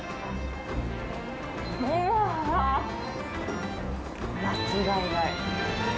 うわー、間違いない。